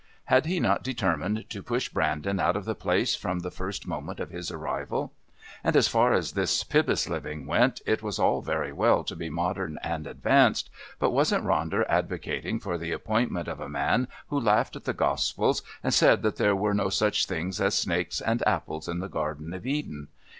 Had he not determined to push Brandon out of the place from the first moment of his arrival? And as far as this Pybus living went, it was all very well to be modern and advanced, but wasn't Ronder advocating for the appointment a man who laughed at the Gospels and said that there were no such things as snakes and apples in the Garden of Eden?